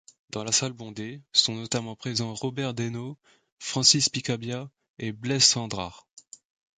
Dans la salle bondée, sont notamment présents Robert Desnos, Francis Picabia et Blaise Cendrars.